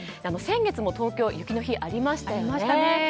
先月も東京雪の日がありましたよね。